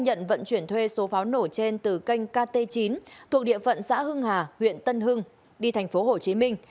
hải khai nhận vận chuyển thuê số pháo nổ trên từ kênh kt chín thuộc địa phận xã hưng hà huyện tân hưng đi tp hcm